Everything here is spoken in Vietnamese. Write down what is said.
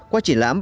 qua triển lãm